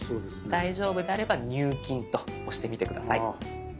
大丈夫であれば「入金」と押してみて下さい。